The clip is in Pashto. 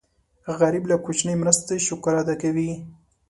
غریب له کوچنۍ مرستې شکر ادا کوي